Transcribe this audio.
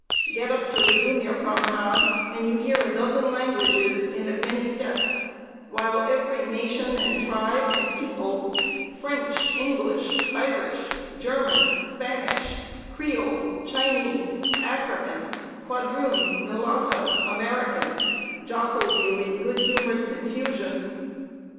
Get up to resume your promenade, and you hear a dozen languages in as many steps; while every nation, and tribe, and people French, English, Irish, German, Spanish, Creole, Chinese, African, Quadroon, Mulatto, American jostles you in good humored confusion.